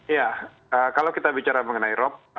ya kalau kita bicara mengenai rop